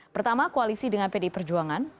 pertama koalisi dengan pdi perjuangan